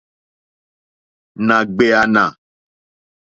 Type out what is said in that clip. Nà ɡbèànà.